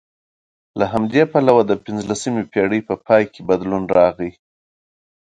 له همدې پلوه د پنځلسمې پېړۍ په پای کې بدلون راغی